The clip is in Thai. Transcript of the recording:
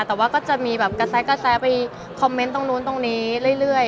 แต่ว่าก็จะมีแบบกระแสไปคอมเมนต์ตรงนู้นตรงนี้เรื่อย